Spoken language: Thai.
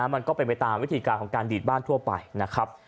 มันก็เป็นไปตามวิธีการของการดีดบ้านทั่วไปนะครับ